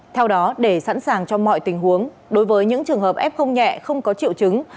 theo đó để sẵn sàng cho mọi tình huống đối với những trường hợp f nhẹ không có triệu chứng